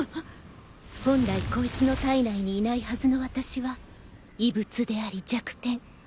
本来こいつの体内にいないはずの私は異物であり弱点。